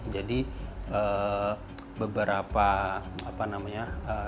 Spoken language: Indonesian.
jadi beberapa apa namanya